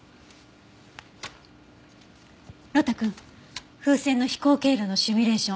呂太くん風船の飛行経路のシミュレーション